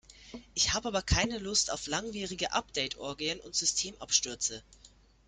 Ich habe aber keine Lust auf langwierige Update-Orgien und Systemabstürze.